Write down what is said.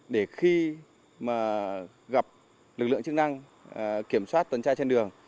để khi gặp lực lượng chức năng kiểm soát toàn trai trên đường